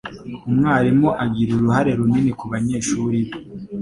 Umwarimu agira uruhare runini kubanyeshuri be.